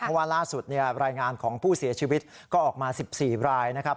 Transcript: เพราะว่าล่าสุดรายงานของผู้เสียชีวิตก็ออกมา๑๔รายนะครับ